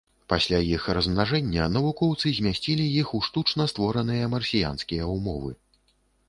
Пасля іх размнажэння навукоўцы змясцілі іх у штучна створаныя марсіянскія ўмовы.